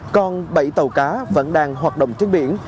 còn bảy tàu cá vẫn đang hoạt động trên biển